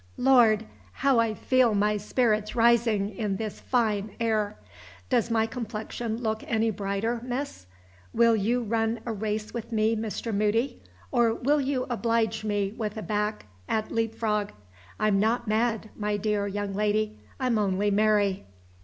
Lord! how I feel my spirits rising in this fine air! Does my complexion look any brighter, miss? Will you run a race with me, Mr. Moody, or will you oblige me with a back at leap frog? I'm not mad, my dear young lady; I'm only merry.